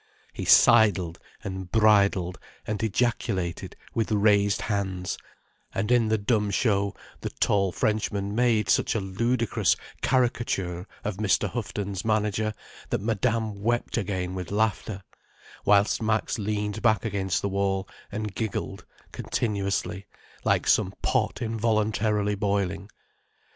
He sidled and bridled and ejaculated with raised hands, and in the dumb show the tall Frenchman made such a ludicrous caricature of Mr. Houghton's manager that Madame wept again with laughter, whilst Max leaned back against the wall and giggled continuously like some pot involuntarily boiling.